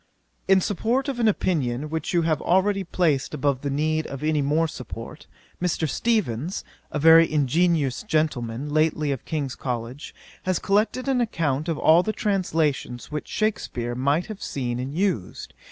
'In support of an opinion which you have already placed above the need of any more support, Mr. Steevens, a very ingenious gentleman, lately of King's College, has collected an account of all the translations which Shakspeare might have seen and used.